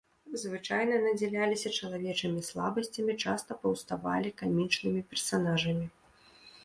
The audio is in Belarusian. Звычайна надзяляліся чалавечымі слабасцямі, часта паўставалі камічнымі персанажамі.